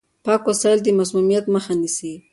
پاک وسايل د مسموميت مخه نيسي.